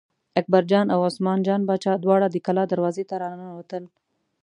اکبرجان او عثمان جان باچا دواړه د کلا دروازې ته را ننوتل.